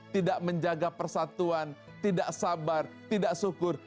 tidak menjaga persatuan tidak sabar tidak syukur